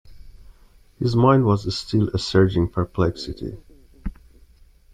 His mind was still a surging perplexity.